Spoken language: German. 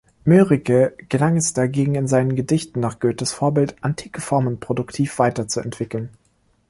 Mörike gelang es dagegen, in seinen Gedichten nach Goethes Vorbild antike Formen produktiv weiterzuentwickeln.